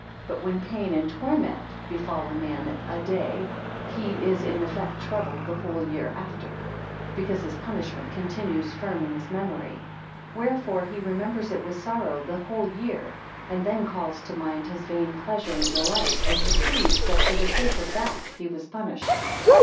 But when pain and torment befall a man a day, he is in effect troubled the whole year after; because his punishment continues firm in his memory. 37 Wherefore he remembers it with sorrow the whole year; and then calls to mind his vain pleasure and delight, and perceives that for the sake of that he was punished.